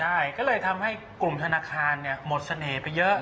ใช่ก็เลยทำให้กลุ่มธนาคารหมดเสน่ห์ไปเยอะ